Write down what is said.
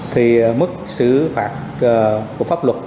thì mức xử phạt của pháp luật